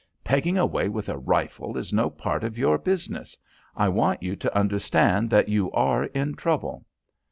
Pegging away with a rifle is no part of your business. I want you to understand that you are in trouble."